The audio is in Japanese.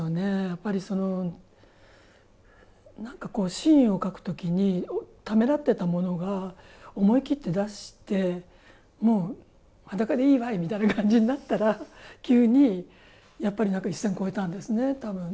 やっぱり何かこうシーンを書くときにためらってたものが思い切って出してもう裸でいいわいみたいな感じになったら急にやっぱり一線を超えたんですね、たぶん。